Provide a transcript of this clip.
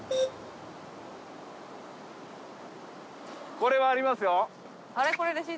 これはありますよ。